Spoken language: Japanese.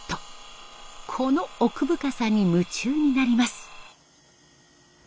この奥深さに夢中になります。